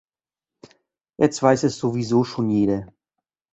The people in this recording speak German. Jetzt weiß es sowieso schon jeder.